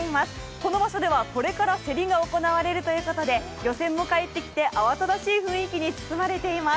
この場所ではこれから競りが行われるということで漁船も帰ってきて、慌ただしい雰囲気に包まれています。